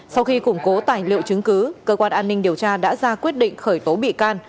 sau khi củng cố tài liệu chứng cứ cơ quan an ninh điều tra đã ra quyết định khởi tố bị can